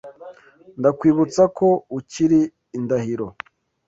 Ndakwibutsa ko ukiri indahiro.